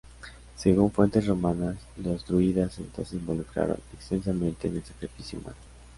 Según fuentes romanas, los druidas celtas se involucraron extensamente en el sacrificio humano.